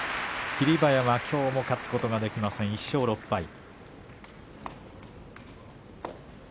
霧馬山、きょうも勝つことはできません、１勝６敗。